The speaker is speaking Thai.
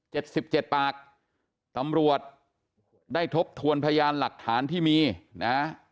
สิบเจ็ดปากตำรวจได้ทบทวนพยานหลักฐานที่มีนะ